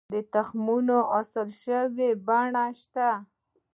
د تخمونو اصلاح شوې بڼې شته؟